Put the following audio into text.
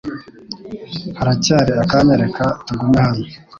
Haracyari akanya reka tugume hano?